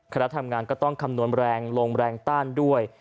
คณะทำงานก็ต้องคำนวณแรงลมแรงต้านด้วย